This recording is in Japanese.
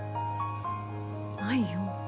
ないよ。